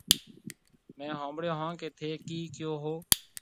ميه هونبڙون هون ڪيَ ٿَي ڪِي ڪَيو هون۔